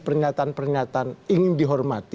pernyataan pernyataan ingin dihormati